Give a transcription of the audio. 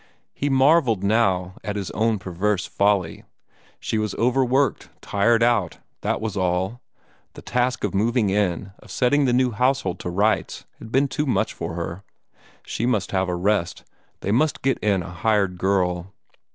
He marvelled now at his own perverse folly. She was overworked tired out that was all. The task of moving in, of setting the new household to rights, had been too much for her. She must have a rest. They must get in a hired girl.